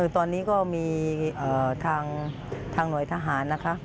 ตอนนี้ก็มีทางหน่วยทหารนะคะ